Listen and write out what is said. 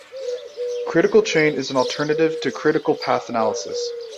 Critical chain is an alternative to critical path analysis.